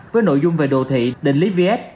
với nội dung về đồ thị định lý viết